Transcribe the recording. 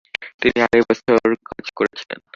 তিনি আড়াই বছর কাজ করেছিলেন।